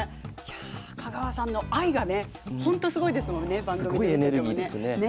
香川さんの愛が本当にすごいですもんね。